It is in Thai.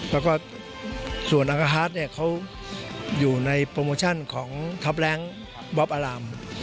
แล้วก็ส่วนอังคาร์ดเนี่ยเขาอยู่ในโปรโมชั่นของท็อปแร้งบ๊อบอาราม